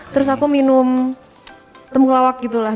terus aku minum temuk lawak gitu lah